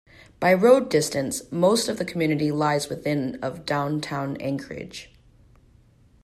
By road distance, most of the community lies within of downtown Anchorage.